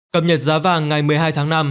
cập nhật giá vàng ngày một mươi hai tháng năm